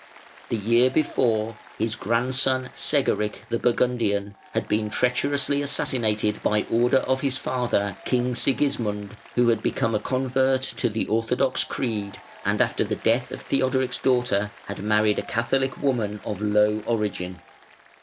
The year before, his grandson Segeric, the Burgundian, had been treacherously assassinated by order of his father, King Sigismund, who had become a convert to the orthodox creed, and after the death of Theodoric's daughter had married a Catholic woman of low origin.